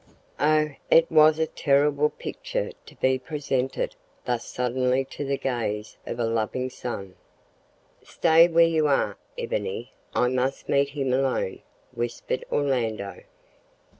Oh! it was a terrible picture to be presented thus suddenly to the gaze of a loving son. "Stay where you are, Ebony. I must meet him alone," whispered Orlando.